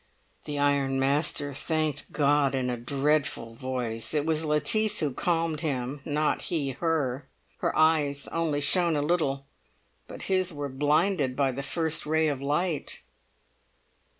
The ironmaster thanked God in a dreadful voice; it was Lettice who calmed him, not he her. Her eyes only shone a little, but his were blinded by the first ray of light.